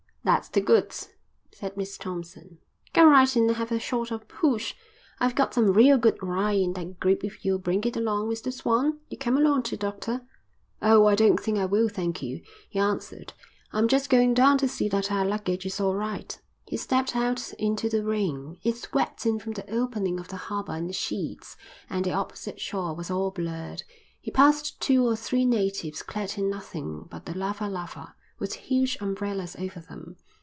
"That's the goods," said Miss Thompson. "Come right in and have a shot of hooch. I've got some real good rye in that grip if you'll bring it along, Mr Swan. You come along too, doctor." "Oh, I don't think I will, thank you," he answered. "I'm just going down to see that our luggage is all right." He stepped out into the rain. It swept in from the opening of the harbour in sheets and the opposite shore was all blurred. He passed two or three natives clad in nothing but the lava lava, with huge umbrellas over them.